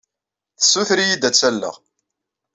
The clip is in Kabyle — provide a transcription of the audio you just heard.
Tessuter-iyi-d ad tt-alleɣ.